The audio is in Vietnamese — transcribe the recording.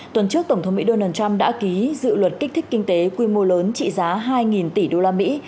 tuần trước tổng thống mỹ donald trump đã ký dự luật kích thích kinh tế quy mô lớn trị giá hai tỷ usd